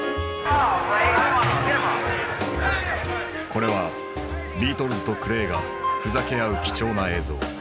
これはビートルズとクレイがふざけ合う貴重な映像。